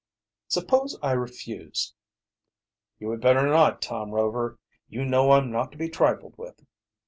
"Suppose I refuse." "You had better not, Tom Rover. You know I'm not to be trifled with."